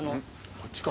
こっちか。